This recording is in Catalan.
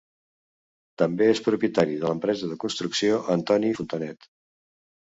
També és propietari de l'empresa de construcció Antoni Fontanet.